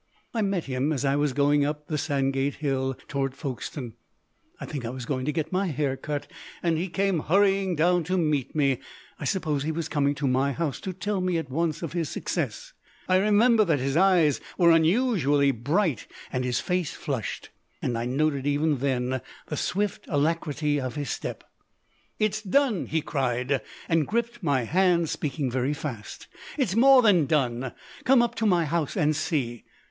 I met him as I was going up the Sandgate Hill towards Folkestone I think I was going to get my hair cut, and he came hurrying down to meet me I suppose he was coming to my house to tell me at once of his success. I remember that his eyes were unusually bright and his face flushed, and I noted even then the swift alacrity of his step. "It's done," he cried, and gripped my hand, speaking very fast; "it's more than done. Come up to my house and see."